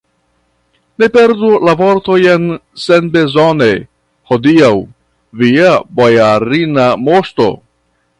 Ne perdu la vortojn senbezone, adiaŭ, via bojarina moŝto!